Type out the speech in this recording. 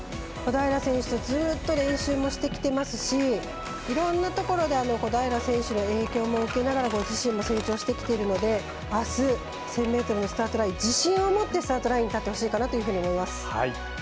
小平選手とずっと練習もしてきてますしいろんなところで小平選手の影響も受けながらご自身も成長してきてるのであす、１０００ｍのスタートライン自信を持ってスタートラインに立ってほしいかなと思います。